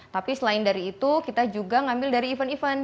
tapi selain dari itu kita juga ngambil dari event event